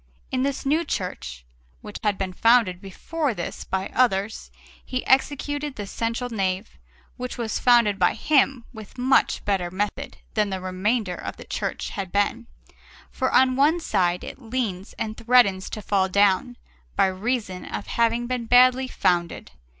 In this new church, which had been founded before this by others, he executed the central nave, which was founded by him with much better method than the remainder of the church had been; for on one side it leans and threatens to fall down, by reason of having been badly founded.